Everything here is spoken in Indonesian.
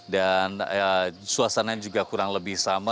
dan suasananya juga kurang lebih sama